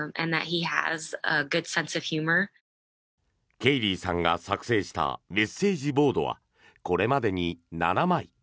ケイリーさんが作成したメッセージボードはこれまでに７枚。